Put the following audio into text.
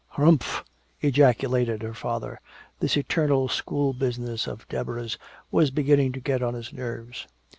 "Humph!" ejaculated her father. This eternal school business of Deborah's was beginning to get on his nerves.